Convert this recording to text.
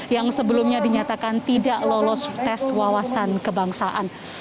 yang sebelumnya dinyatakan tidak lolos tes wawasan kebangsaan